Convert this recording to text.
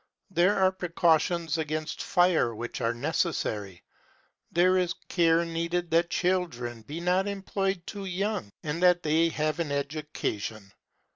There are precautions against fire which are necessary. There is care needed that children be not employed too young, and that they have an education.